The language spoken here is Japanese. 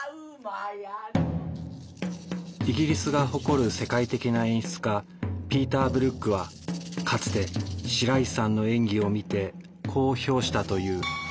イギリスが誇る世界的な演出家ピーター・ブルックはかつて白石さんの演技を見てこう評したという。